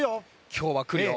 今日は来るよ。